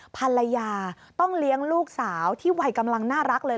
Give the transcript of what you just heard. ภรรยาต้องเลี้ยงลูกสาวที่วัยกำลังน่ารักเลย